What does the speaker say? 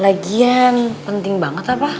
lagian penting banget apa